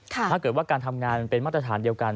ถ้าเกิดว่าการทำงานมันเป็นมาตรฐานเดียวกัน